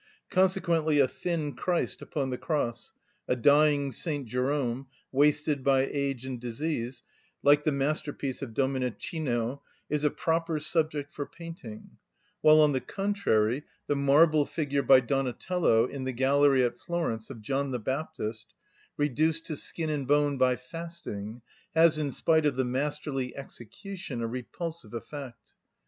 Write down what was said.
Consequently a thin Christ upon the Cross, a dying St. Jerome, wasted by age and disease, like the masterpiece of Domenichino, is a proper subject for painting; while, on the contrary, the marble figure by Donatello, in the gallery at Florence, of John the Baptist, reduced to skin and bone by fasting, has, in spite of the masterly execution, a repulsive effect.